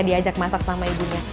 diajak masak sama ibunya